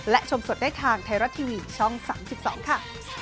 และชมสดได้ทางไทยรัฐทีวีช่อง๓๒ค่ะ